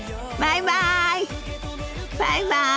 バイバイ！